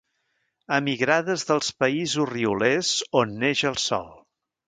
Emigrades dels països riolers on neix el sol.